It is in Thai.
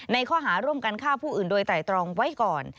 ข้อหาร่วมกันฆ่าผู้อื่นโดยไตรตรองไว้ก่อน